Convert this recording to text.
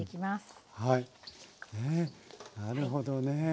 なるほどね。